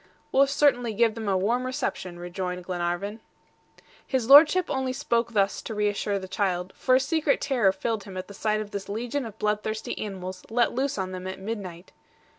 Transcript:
"We'll certainly give them a warm reception," rejoined Glenarvan. His Lordship only spoke thus to reassure the child, for a secret terror filled him at the sight of this legion of bloodthirsty animals let loose on them at midnight.